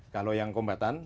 kalau yang kumpatan